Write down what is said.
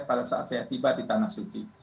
pada saat saya tiba di tanah suci